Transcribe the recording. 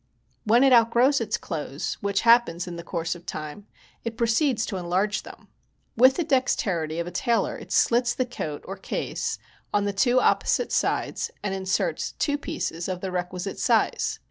When it outgrows its clothes, which happens in the course of time, it proceeds to enlarge them. With the dexterity of a tailor it slits the coat, or case, on the two opposite sides, and inserts two pieces of the requisite size.